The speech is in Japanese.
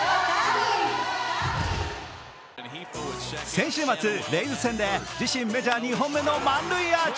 先週末、レイズ戦で、自身メジャー２本目の満塁アーチ。